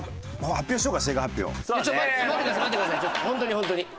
本当に本当に。